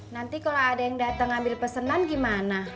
nanti kalau ada yang dateng ambil pesenan gimana